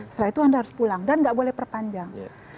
setelah itu anda harus pulang dan nggak boleh perpanjang